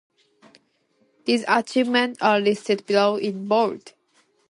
These achievements are listed below in bold.